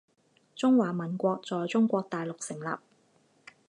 中华民国在中国大陆成立